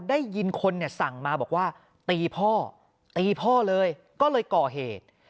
ได้ยินคนเนี่ยสั่งมาบอกว่าตีพ่อตีพ่อเลยก็เลยก่อเหตุ